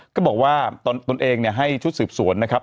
ก็บอกว่าตนเองให้ชุดสืบสวนนะครับ